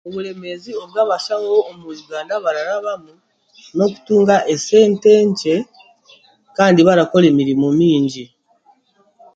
Oburemeezi obu abashaho omu uganda bararabamu, n'okutunga esente nkye kandi barakora emirimo nyingi